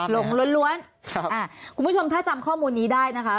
ลงล้วนล้วนคุณผู้ชมถ้าจำข้อมูลนี้ได้นะคะ